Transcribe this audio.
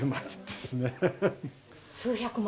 数百万？